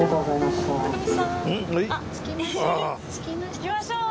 行きましょう！